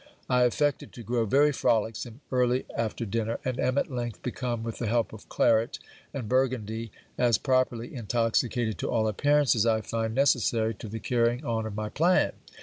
I affected to grow very frolicksome, early after dinner; and am, at length, become, with the help of claret and burgundy, as properly intoxicated to all appearance as I find necessary to the carrying on of my plan.